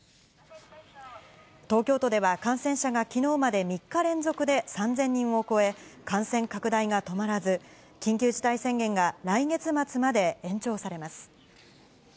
東京都では感染者がきのうまで３日連続で３０００人を超え、感染拡大が止まらず、緊急事態宣言が来月末まで延長されます。